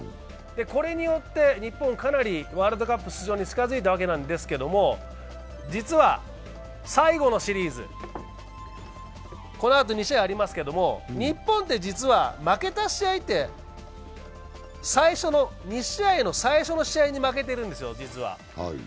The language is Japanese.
これによって、日本はかなりワールドカップ出場に近づいたわけですけれども、実は最後のシリーズ、このあと２試合ありますけど、日本って実は負けた試合って実は最初の２試合に負けてるんですよ。